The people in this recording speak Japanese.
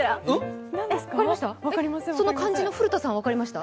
その肝心の古田さんは分かりました？